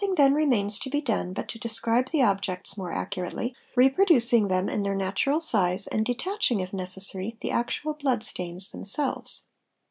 then remains to be done but to describe the objects more accurately, re _ producing them in their natural size and detaching if necessary the actual blood stains themselves.